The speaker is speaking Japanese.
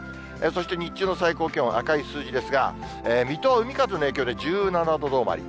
そして、日中の最高気温、赤い数字ですが、水戸は海風の影響で１７度止まり。